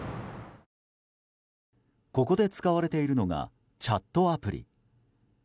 ここで使われているのがチャットアプリ。